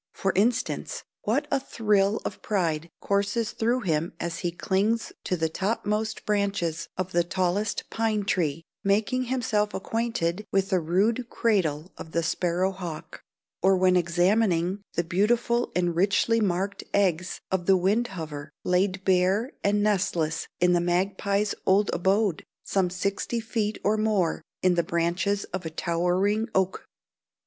For instance, what a thrill of pride courses through him as he clings to the topmost branches of the tallest pine tree, making himself acquainted with the rude cradle of the sparrow hawk; or when examining the beautiful and richly marked eggs of the windhover, laid bare and nestless in the magpie's old abode, some sixty feet or more in the branches of a towering oak.